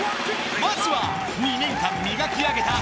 まずは２年間磨き上げた